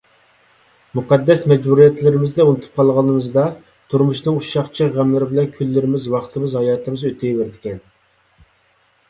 مۇقەددەس مەجبۇرىيەتلىرىمىزنى ئۇنتۇپ قالغىنىمىزدا تۇرمۇشنىڭ ئۇششاق-چۈششەك غەملىرى بىلەن كۈنلىرىمىز، ۋاقتىمىز، ھاياتىمىز ئۆتىۋېرىدىكەن.